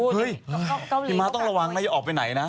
เฮ้ยพี่ม้าต้องระวังนะอย่าออกไปไหนนะ